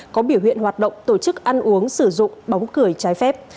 có biểu hiện hoạt động tổ chức ăn uống sử dụng bóng cười trái phép